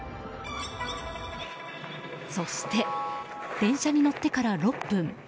そして電車に乗ってから６分。